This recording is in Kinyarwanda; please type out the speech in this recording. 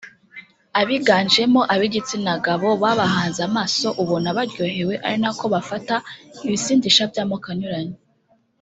abiganjemo ab’igitsinagabo babahanze amaso ubona baryohewe ari nako bafata ibisindisha by’amoko anyuranye